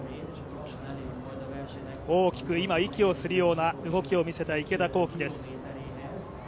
大きく息をするような動きを見せた池田向希です。